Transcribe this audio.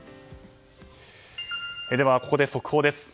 では、ここで速報です。